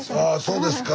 そうですか。